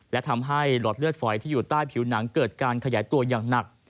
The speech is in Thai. และทำให้หลอดเลือดฝอยที่อยู่ใต้ผิวหนังเกิดการขยายตัวอย่างหนัก